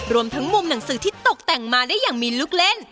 รวมทั้งมุมหนังสือที่ตกแต่งมาได้อย่างมีลูกเล่น